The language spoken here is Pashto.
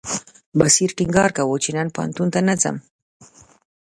بصیر ټینګار کاوه چې نن پوهنتون ته نه ځم.